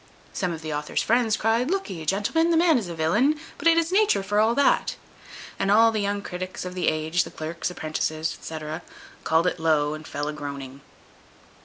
Some of the author's friends cryed, "Look'e, gentlemen, the man is a villain, but it is nature for all that." And all the young critics of the age, the clerks, apprentices, &c., called it low, and fell a groaning.